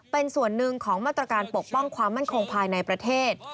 เป็นส่วนหนึ่งของมาตรการปกป้องความมั่นคงภายในประเทศ